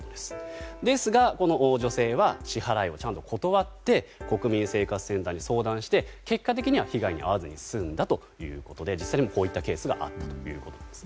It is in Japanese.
ですが、女性は支払いをちゃんと断って国民生活センターに相談し結果的に被害に遭わずに済んだということで実際にこういったケースがあったということです。